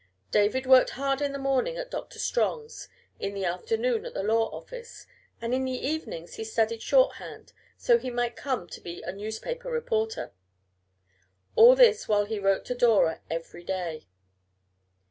David worked hard in the morning at Doctor Strong's, in the afternoons at the law office, and in the evenings he studied shorthand so he might come to be a newspaper reporter. And all this while he wrote to Dora every day.